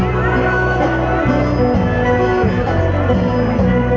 สวัสดี